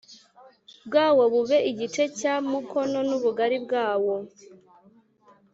Bwawo bube igice cya mukono n ubugari bwawo